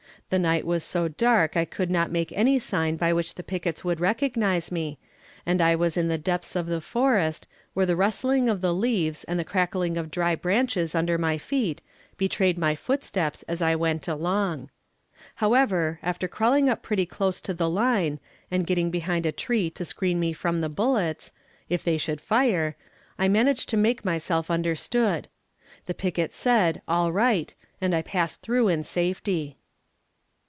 The night was so dark I could not make any sign by which the pickets could recognize me, and I was in the depths of the forest, where the rustling of the leaves and the crackling of dry branches under my feet betrayed my foot steps as I went along. However, after crawling up pretty close to the line, and getting behind a tree to screen me from the bullets, if they should fire, I managed to make myself understood. The picket said: "All right," and I passed through in safety.